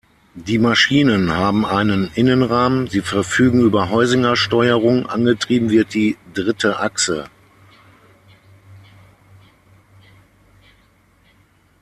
Die Maschinen haben einen Innenrahmen, sie verfügen über Heusinger-Steuerung, angetrieben wird die dritte Achse.